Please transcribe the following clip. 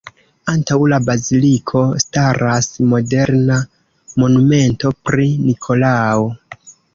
Antaŭ la baziliko staras moderna monumento pri Nikolao.